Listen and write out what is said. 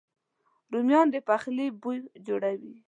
رومیان د پخلي بوی جوړوي